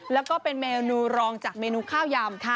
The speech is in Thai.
แล้วก็เป็นเมนูรองจากเมนูข้าวยำ